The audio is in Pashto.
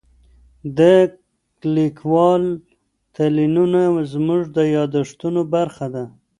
د لیکوالو تلینونه زموږ د یادښتونو برخه ده.